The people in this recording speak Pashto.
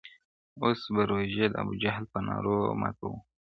اوس به روژې د ابوجهل په نارو ماتوو -